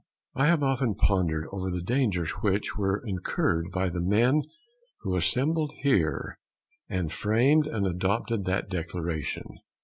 I have often pondered over the dangers which were incurred by the men who assembled here and framed and adopted that Declaration.